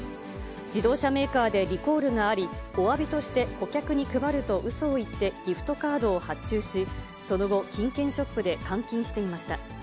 自動車メーカーでリコールがあり、おわびとして、顧客に配るとうそを言ってギフトカードを発注し、その後、金券ショップで換金していました。